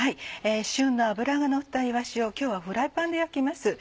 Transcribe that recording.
旬の脂がのったいわしを今日はフライパンで焼きます。